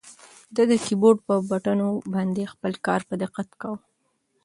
ده د کیبورډ په بټنو باندې خپل کار په دقت کاوه.